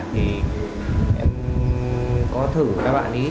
thì em có thử các bạn ấy